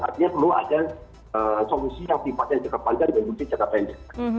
artinya perlu ada solusi yang tipas yang cukup panjang dan yang cukup jangka panjang